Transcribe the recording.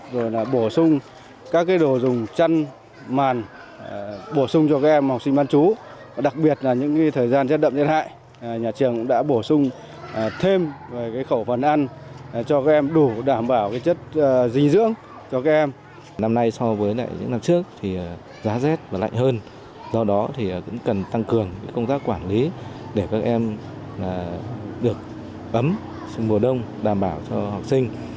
do đó thì cũng cần tăng cường công tác quản lý để các em được ấm sinh mùa đông đảm bảo cho học sinh